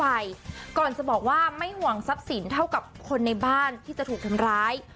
ไปก่อนจะบอกว่าไม่ห่วงทรัพย์สินเท่ากับคนในบ้านที่จะถูกทำร้าย